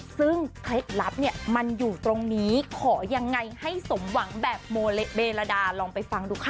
ซึ่งเคล็ดลับเนี่ยมันอยู่ตรงนี้ขอยังไงให้สมหวังแบบเบลดาลองไปฟังดูค่ะ